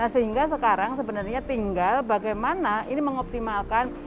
sehingga sekarang sebenarnya tinggal bagaimana ini mengoptimalkan